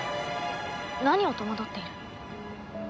何を戸惑っている？